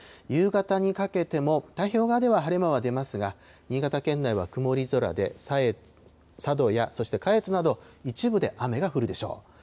夕方にかけても太平洋側では晴れ間は出ますが、新潟県内は曇り空で、佐渡やそして下越など、一部で雨が降るでしょう。